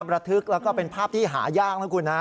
แล้วก็เป็นภาพที่หายากนะคุณนะ